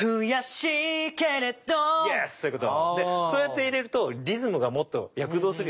でそうやって入れるとリズムがもっと躍動するよね。